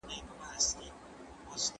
پېغلتوب مي په غم زوړ کې څه د غم شپې تېرومه